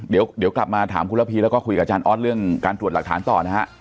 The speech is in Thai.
เดี๋ยวกลับมาถามคุณระพีแล้วก็คุยกับอาจารย์ออสเรื่องการตรวจหลักฐานต่อนะฮะ